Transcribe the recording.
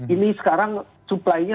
ini sekarang suplainya